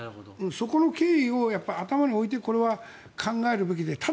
そこの経緯を頭においてこれは考えるべきだと。